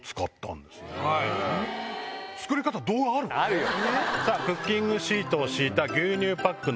あるよ。